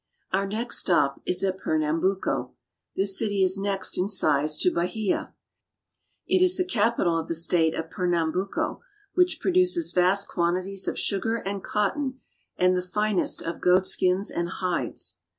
Our next stop is at Pernambuco. This city is next in size to Bahia. It is the capital of the state of Pernam buco, which produces vast quantities of sugar and cotton and the finest of goatskins and hides.